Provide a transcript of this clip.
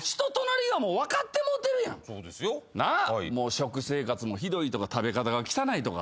食生活もひどいとか食べ方が汚いとか。